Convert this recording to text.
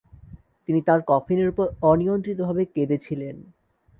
তিনি তাঁর কফিনের উপর অনিয়ন্ত্রিতভাবে কেঁদেছিলেন।